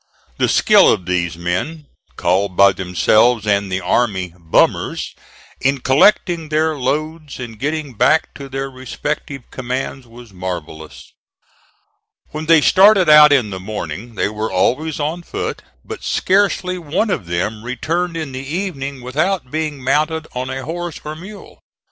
The skill of these men, called by themselves and the army "bummers," in collecting their loads and getting back to their respective commands, was marvellous. When they started out in the morning, they were always on foot; but scarcely one of them returned in the evening without being mounted on a horse or mule.